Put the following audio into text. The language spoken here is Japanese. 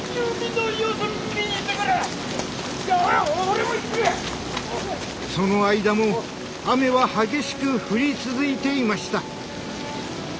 もうその間も雨は激しく降り続いていました。